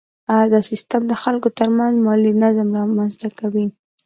دا سیستم د خلکو ترمنځ مالي نظم رامنځته کوي.